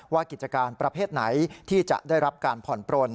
กิจการประเภทไหนที่จะได้รับการผ่อนปลน